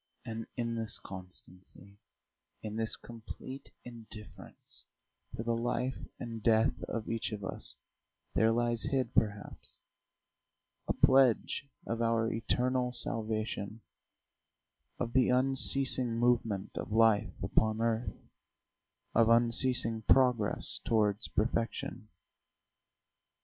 And in this constancy, in this complete indifference to the life and death of each of us, there lies hid, perhaps, a pledge of our eternal salvation, of the unceasing movement of life upon earth, of unceasing progress towards perfection.